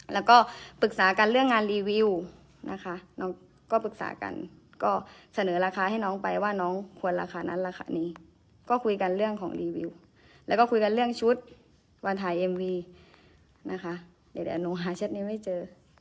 แล้วก็ปรึกษากันเรื่องงานรีวิวนะคะน้องก็ปรึกษากันก็เสนอราคาให้น้องไปว่าน้องควรราคานั้นราคานี้ก็คุยกันเรื่องของรีวิวแล้วก็คุยกันเรื่องชุดวันถ่ายเอ็มวีนะคะเดี๋ยวหนูหาเช็ดนี้ไม่เจอ